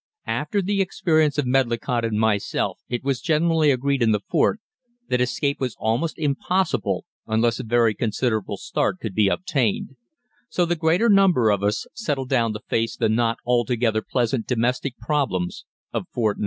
After the experience of Medlicott and myself it was generally agreed in the fort that escape was almost impossible, unless a very considerable start could be obtained; so the greater number of us settled down to face the not altogether pleasant domestic problems of Fort 9.